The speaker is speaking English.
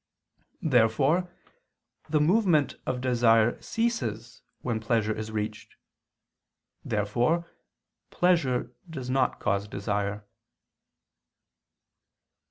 Therefore the movement of desire ceases when pleasure is reached. Therefore pleasure does not cause desire.